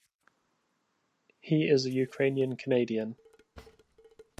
He is a Ukrainian-Canadian.